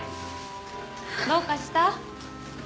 どうかした？